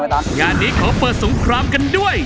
งานนี้ขอเปิดสงครามกันด้วย